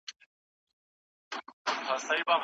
ډيپلوماسي بايد د متقابل درناوي پر بنسټ ولاړه وي.